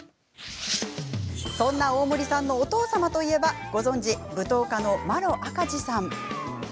そんな大森さんのお父様といえばご存じ、舞踏家の麿赤兒さん。